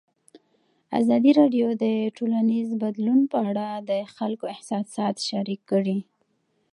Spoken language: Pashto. ازادي راډیو د ټولنیز بدلون په اړه د خلکو احساسات شریک کړي.